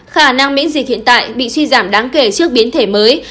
khả năng miễn dịch hiện tại bị suy giảm đáng kể trước biến thể mới